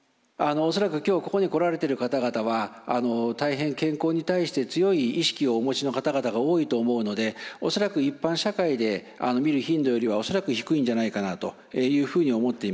恐らく今日ここに来られている方々は大変健康に対して強い意識をお持ちの方々が多いと思うので恐らく一般社会で見る頻度よりは恐らく低いんじゃないかなというふうに思っています。